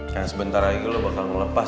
karena sebentar lagi lo bakal ngelepas